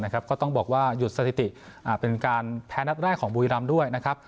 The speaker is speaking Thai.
ก็ต้องบอกว่าหยุดสถิติเป็นการแพ้นัดแรกของบุรีรำด้วยนะครับ